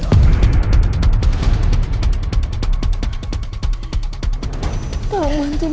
lo mau tunjuk ya